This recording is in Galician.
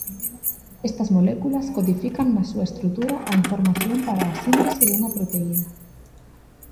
Estas moléculas codifican na súa estrutura a información para a síntese dunha proteína.